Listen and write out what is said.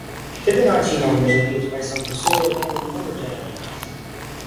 Fibonacci numbers are used by some pseudorandom number generators.